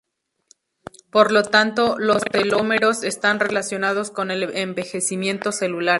Por lo tanto, los telómeros están relacionados con el envejecimiento celular.